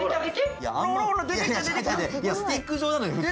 いやスティック状なのよ普通。